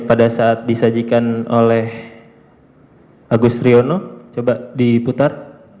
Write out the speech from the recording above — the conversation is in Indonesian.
pada saat disajikan oleh agus riono coba diputar